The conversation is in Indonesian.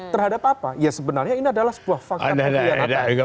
terhadap apa ya sebenarnya ini adalah sebuah fakta keperluan